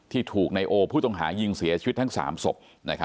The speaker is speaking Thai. ที่ถูกนายโอผู้ต้องหายิงเสียชีวิตทั้ง๓ศพ